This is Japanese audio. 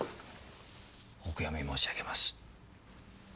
お悔やみ申し上げます。